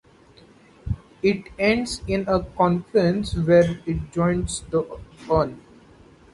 It ends in a confluence where it joins the Earn.